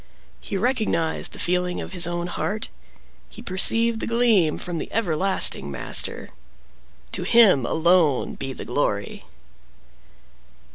He recognized the feeling of his own heart—he perceived the gleam from the everlasting Master. To Him alone be the glory!